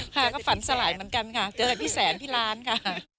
ค่ะก็ฝันสลายเหมือนกันค่ะเจอกับพี่แสนพี่ล้านค่ะ